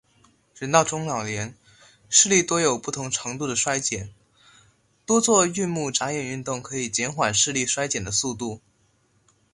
人到中老年，视力多有不同程度地衰减，多做运目眨眼运动可以减缓视力衰减的速度。